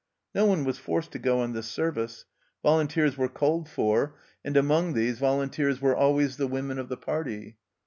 No one was forced to go on this service ; volunteers were called for, and ON THE ROAD 79 among these volunteers were always the women of the party.